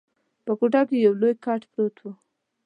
په کوټه کي یو لوی کټ پروت وو.